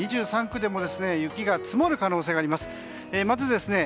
２３区でも雪が積もる可能性があります。